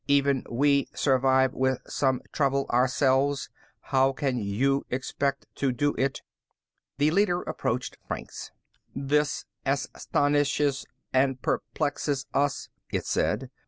Even we survive with some trouble, ourselves. How can you expect to do it?" The leader approached Franks. "This astonishes and perplexes us," it said.